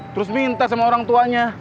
terus minta sama orang tuanya